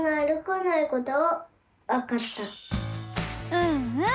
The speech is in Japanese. うんうん！